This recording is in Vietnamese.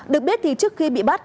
được biết thì trước khi bị bắt